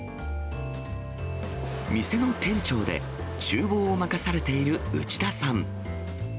店の店長でちゅう房を任されている内田さん。